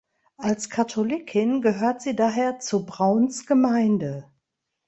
Als Katholikin gehört sie daher zu Brauns Gemeinde.